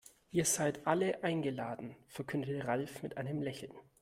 Ihr seid alle eingeladen, verkündete Ralf mit einem Lächeln.